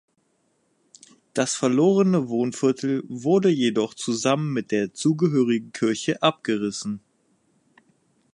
Das verlorene Wohnviertel wurde jedoch zusammen mit der zugehörigen Kirche abgerissen.